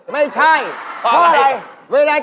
มีไหมอาตี